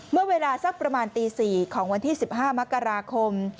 เมื่อเวลาสักประมาณตี๔ของวันที่๑๕มกราคม